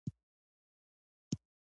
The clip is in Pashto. سپینې، برګې او سرې ږیرې والا کلیوال.